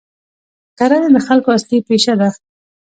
کرنه د خلکو اصلي پیشه ده.